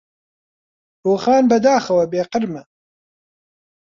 ڕووخان بەداخەوە بێ قرمە